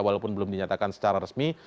walaupun belum dinyatakan secara resmi